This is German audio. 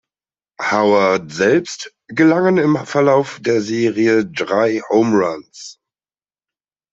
Howard selbst gelangen im Verlauf der Serie drei Home Runs.